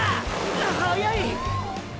速い！